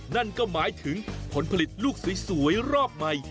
นั่นก็หมายถึงผลผลิตลูกสวยรอบใหม่